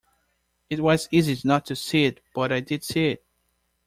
It was easy not to see it, but I did see it.